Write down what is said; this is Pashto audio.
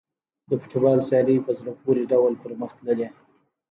د فوټبال سیالۍ په زړه پورې ډول پرمخ تللې.